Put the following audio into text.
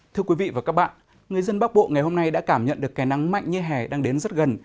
thưa quý vị và các bạn người dân bắc bộ ngày hôm nay đã cảm nhận được cái nắng mạnh như hè đang đến rất gần